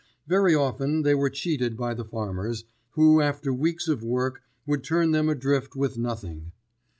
Very often they were cheated by the farmers, who after weeks of work would turn them adrift with nothing.